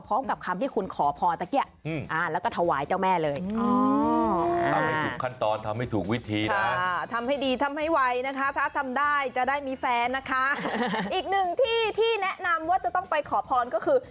พร้อมกับคำที่คุณขอพรตะเกี๊ยะแล้วก็ถวายเจ้าแม่เลย